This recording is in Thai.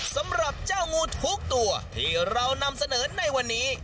สำหรับเจ้างูทุกตัวที่เรานำเสนอในวันนี้